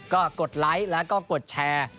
ก็กดไลค์แล้วก็กดแชร์